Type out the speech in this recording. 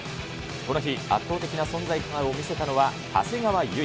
この日、圧倒的な存在感を見せたのは長谷川唯。